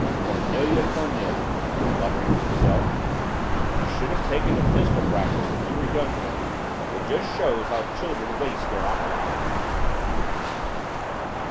"Cornelia, Cornelia," she was murmuring to herself, "you should have taken to pistol practice when you were younger; it just shows how children waste their opportunities."